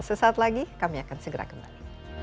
sesaat lagi kami akan segera kembali